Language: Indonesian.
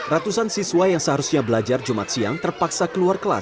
ratusan siswa yang seharusnya belajar jumat siang terpaksa keluar kelas